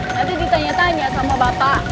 nanti ditanya tanya sama bapak